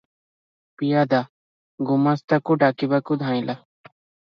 ପିଆଦା ଗୁମାସ୍ତାକୁ ଡାକିବାକୁ ଧାଇଁଲା ।